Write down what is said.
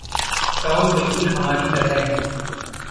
Tom बिलकुल हमारी तरह है।